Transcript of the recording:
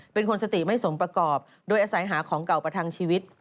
เป็นคนสติไม่สมประกอบโดยอาศัยหาของเก่าประทังชีวิต